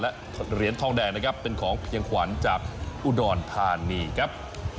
และเหรียญทองแดงนะครับเป็นของเพียงขวัญจากอุดรธานีครับ